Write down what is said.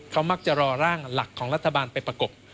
เขามักจะรอร่างหลักของรัฐบาลไปประกบ